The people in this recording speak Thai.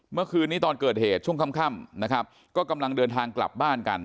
เมื่อคืนนี้ตอนเกิดเหตุช่วงค่ำนะครับก็กำลังเดินทางกลับบ้านกัน